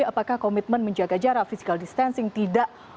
apakah komitmen menjaga jarak physical distancing tidak